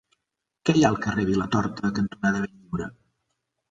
Què hi ha al carrer Vilatorta cantonada Benlliure?